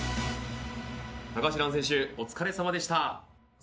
高橋藍選手お疲れさまでした。